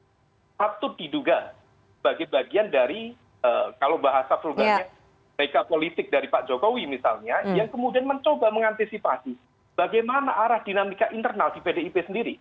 yang patut diduga sebagai bagian dari kalau bahasa vulgarnya mereka politik dari pak jokowi misalnya yang kemudian mencoba mengantisipasi bagaimana arah dinamika internal di pdip sendiri